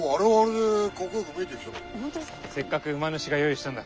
せっかく馬主が用意したんだ。